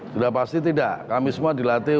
sudah pasti tidak kami semua dilatih